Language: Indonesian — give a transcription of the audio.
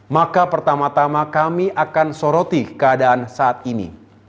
maka pertama tama kami akan soroti keadaan saat ini